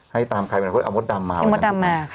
ให้ตามใครเอามดดำมา